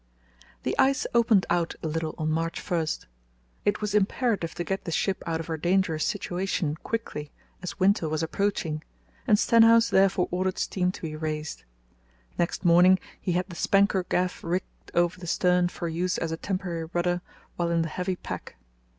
The ice opened out a little on March 1. It was imperative to get the ship out of her dangerous situation quickly; as winter was approaching, and Stenhouse therefore ordered steam to be raised. Next morning he had the spanker gaff rigged over the stern for use as a temporary rudder while in the heavy pack.